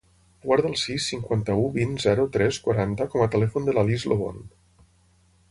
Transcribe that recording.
Guarda el sis, cinquanta-u, vint, zero, tres, quaranta com a telèfon de la Lis Lobon.